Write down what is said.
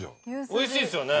おいしいですよね。